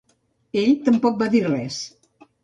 Ell tampoc va dir res.